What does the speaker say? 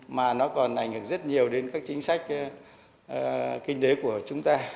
mà nó còn ảnh hưởng rất nhiều đến các chính sách kinh tế của chúng ta